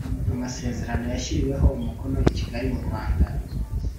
Amasezerano yashyiriweho umukono i Kigali mu Rwanda,